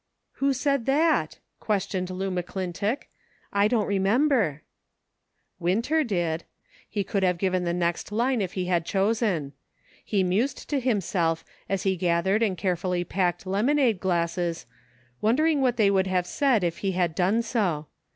" Who said that ?" questioned Lu McClintock ; '•'I don't remember." 214 SEEKING STEPPING STONES. "Winter did." He could have given the next line if he had chosen ; he mused to himself as he gathered and carefully packed lemonade glasses, wondering what they would have said if he had done so.